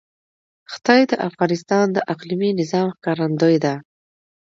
ښتې د افغانستان د اقلیمي نظام ښکارندوی ده.